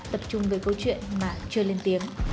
tập trung về câu chuyện mà chưa lên tiếng